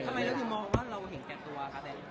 ทำไมนี่คือมองว่าเราเห็นแก่ตัวครับเนี่ย